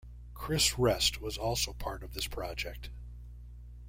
Chris Rest was also part of this project.